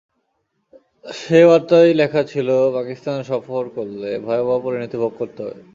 সেই বার্তায় লেখা ছিল, পাকিস্তান সফর করলে ভয়াবহ পরিণতি ভোগ করতে হবে।